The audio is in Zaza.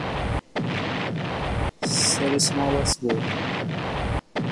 Serê sıma wes bo.